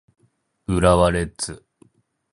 浦和レッズ